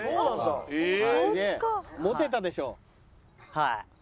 はい。